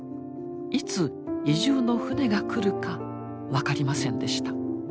いつ移住の船が来るか分かりませんでした。